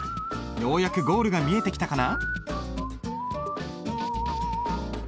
ようやくゴールが見えてきたかな？